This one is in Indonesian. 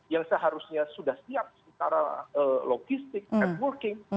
yang seharusnya sudah siap secara logistik dan working